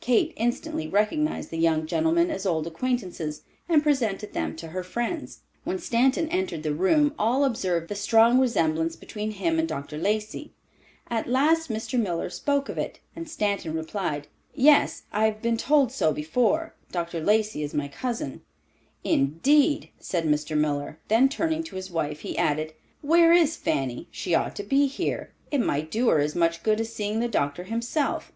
Kate instantly recognized the young gentlemen as old acquaintances, and presented them to her friends. When Stanton entered the room all observed the strong resemblance between him and Dr. Lacey. At last Mr. Miller spoke of it, and Stanton replied, "Yes, I've been told so before. Dr. Lacey is my cousin." "Indeed!" said Mr. Miller. Then turning to his wife, he added, "Where is Fanny? She ought to be here. It might do her as much good as seeing the doctor himself."